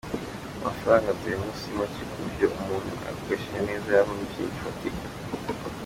Amafaranga duhembwa si make ku buryo umuntu ayakoresheje neza yavamo ikintu gifatika.